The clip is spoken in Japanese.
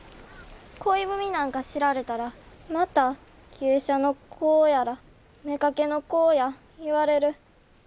恋文なんか知られたらまた芸者の子やら妾の子や言われる。